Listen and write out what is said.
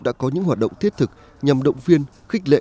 đã có những hoạt động thiết thực nhằm động viên khích lệ